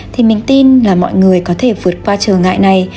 thì mình tin là mọi người có thể vượt qua trở ngại này